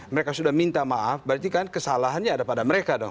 mereka sudah minta maaf berarti kan kesalahannya ada pada mereka dong